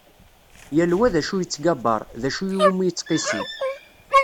Yal wa d acu yettgabar, d acu iwumi yettqissi.